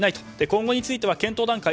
今後については検討段階。